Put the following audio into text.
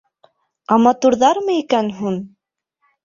Ә матурҙармы икән һуң?